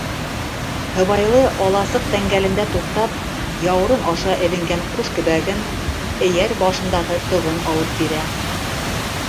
Һыбайлы аласыҡ тәңгәлендә туҡтап, яурын аша эленгән ҡушкөбәген, эйәр башындағы тоғон алып бирә.